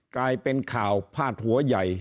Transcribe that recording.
กลายเป็นข่าวพาดหัวใหญ่